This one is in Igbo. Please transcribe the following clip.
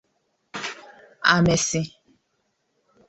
Amesi